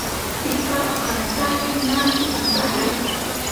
Tsika okaratake ñantsi pantakeri.